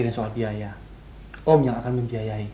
mau dong om